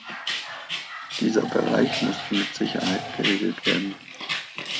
Dieser Bereich musste mit Sicherheit geregelt werden.